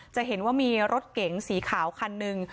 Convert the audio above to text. จะเห็นว่ามีรถเก๋งสีขาวคันหนึ่ง